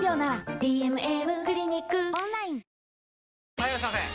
・はいいらっしゃいませ！